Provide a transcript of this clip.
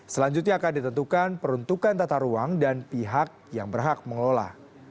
selanjutnya akan ditentukan peruntukan tata ruang dan pihak yang berhak mengelola